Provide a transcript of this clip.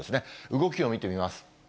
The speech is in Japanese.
動きを見てみます。